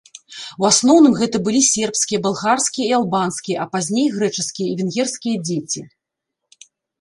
У асноўным гэта былі сербскія, балгарскія і албанскія, а пазней грэчаскія і венгерскія дзеці.